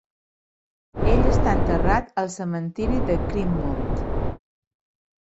Ell està enterrat al cementiri de Greenmount.